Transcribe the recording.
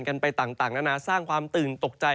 กันไปต่างนานาสร้างความตื่นตกใจ